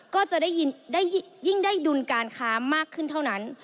ก็จะได้ยิ่งได้ดุลการค้ามากขึ้นเท่านั้น